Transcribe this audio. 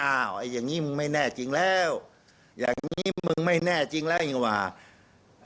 ไอ้อย่างงี้มึงไม่แน่จริงแล้วอย่างนี้มึงไม่แน่จริงแล้วยังว่า